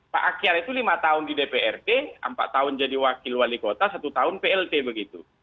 pak akyar itu lima tahun di dprd empat tahun jadi wakil wali kota satu tahun plt begitu